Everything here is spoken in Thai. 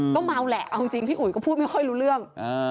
ก็เมาแหละเอาจริงพี่อุ๋ยก็พูดไม่ค่อยรู้เรื่อง